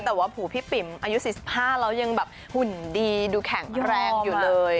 แต่ว่าผูพี่ปิ๋มอายุ๔๕แล้วยังแบบหุ่นดีดูแข็งแรงอยู่เลย